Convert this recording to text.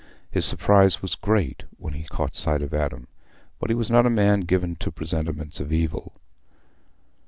His surprise was great when he caught sight of Adam, but he was not a man given to presentiments of evil.